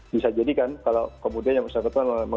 bisa jadi kan kalau kemudian yang bersangkutan